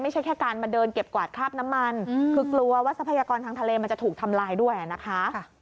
ไม่ใช่แค่การมาเดินเก็บกวาดคราบน้ำมันคือกลัวว่าทรัพยากรทางทะเลมันจะถูกทำลายด้วยนะคะ